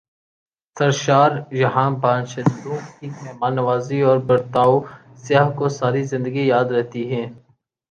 سرشاریہاں کے باشندوں کی مہمان نوازی اور برتائو سیاح کو ساری زندگی یاد رہتی ہیں ۔